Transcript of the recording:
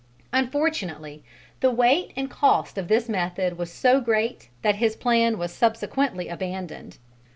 Unfortunately the weight and cost of this method was so great that his plan was subsequently abandoned.